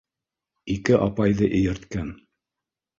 Ике апайҙы эйәрткән.